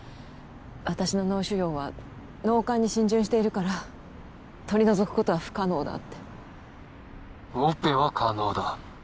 私の脳腫瘍は脳幹に浸潤しているから取り除くことは不可能だってオペは可能だ